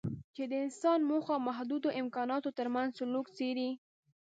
چې د انسان موخو او محدودو امکاناتو ترمنځ سلوک څېړي.